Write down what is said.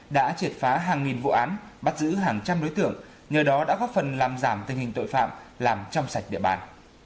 đã triệt phá hàng nghìn vụ án bắt giữ hàng trăm đối tượng nhờ đó đã góp phần làm giảm tình hình tội phạm làm trong sạch địa bàn